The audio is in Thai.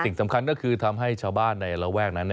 สิ่งสำคัญก็คือทำให้ชาวบ้านในระแวกนั้น